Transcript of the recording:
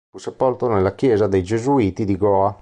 Fu sepolto nella chiesa dei Gesuiti di Goa.